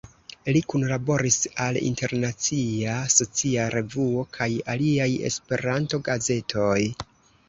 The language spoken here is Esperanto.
Li kunlaboris al "Internacia Socia Revuo" kaj aliaj Esperanto-gazetoj.